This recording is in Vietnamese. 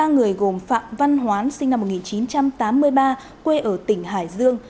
ba người gồm phạm văn hoán sinh năm một nghìn chín trăm tám mươi ba quê ở tỉnh hải dương